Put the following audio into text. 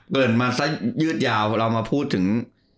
เกิดมาซะยืดยาวเรามาพูดถึง